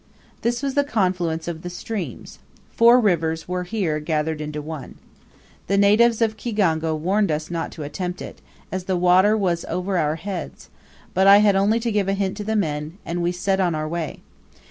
This was the confluence of the streams: four rivers were here gathered into one. The natives of Kigongo warned us not to attempt it, as the water was over our heads; but I had only to give a hint to the men, and we set on our way.